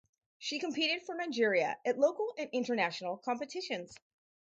She competed for Nigeria at local and international competitions.